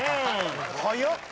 早っ！